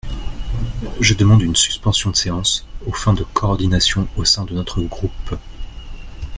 Je demande une suspension de séance aux fins de coordination au sein de notre groupe.